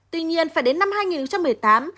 tuy nhiên phải đến năm hai nghìn một mươi tám